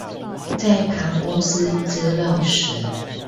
在爬公司資料時